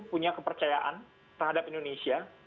punya kepercayaan terhadap indonesia